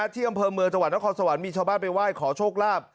ที่อำเภอเมืองจังหวัดนครสวรรค์มีชาวบ้านไปไหว้ขอโชคลาภ